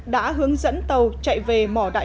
đã hướng dẫn tàu chạy về vũng tàu